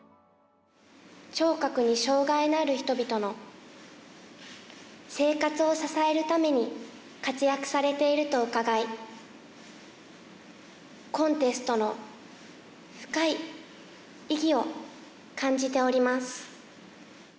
聴覚に障がいのある人々の生活を支えるために活躍されているとうかがい、コンテストの深い意義を感じております。